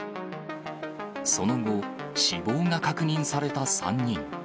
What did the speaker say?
その後、死亡が確認された３人。